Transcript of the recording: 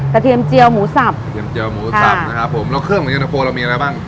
กระเทียมเจียวหมูสับค่ะนะครับผมแล้วเครื่องเย็นตะโปรเรามีอะไรบ้าง